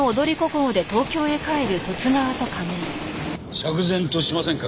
釈然としませんか？